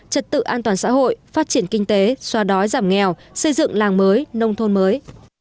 trật tự an toàn xã hội phát triển kinh tế xoa đói giảm nghèo xây dựng làng mới nông thôn mới